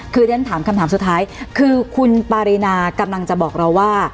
คือเรียนถามคำถามสุดท้ายคือคุณปารีนากำลังจะบอกเราว่า